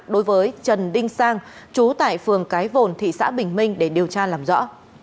đối với trần đinh sang chú tại phường cái vồn thị xã bình minh để điều tra làm rõ